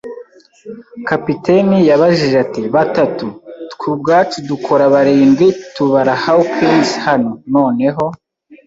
Kapiteni yabajije ati: “Batatu; “Twe ubwacu dukora barindwi, tubara Hawkins hano. Noneho,